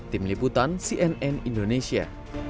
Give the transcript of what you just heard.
tim liputan cnn indonesia